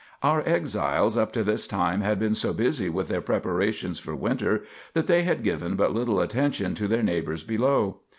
Our exiles up to this time had been so busy with their preparations for winter that they had given but little attention to their neighbors below.